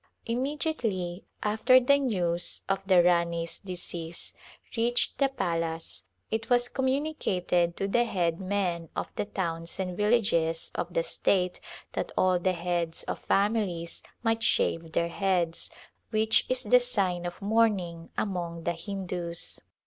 Immediately after the news of the Rani's decease reached the palace it was communicated to the head men of the towns and villages of the state that all the heads of families might shave their heads, which is the sign of mourning among the Hindus.